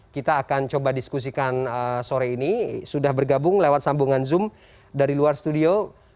kita akan coba diskusikan sore ini sudah bergabung lewat sambungan zoom dari luar studio